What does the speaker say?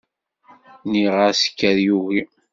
Nniɣ-as kker yugi.